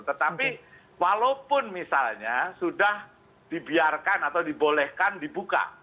tetapi walaupun misalnya sudah dibiarkan atau dibolehkan dibuka